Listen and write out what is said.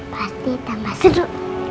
pasti tambah seru